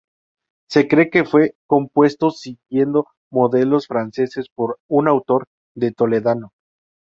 Se cree que fue compuesto siguiendo modelos franceses, por un autor de toledano.